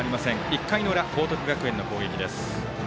１回の裏、報徳学園の攻撃です。